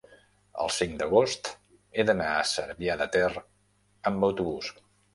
el cinc d'agost he d'anar a Cervià de Ter amb autobús.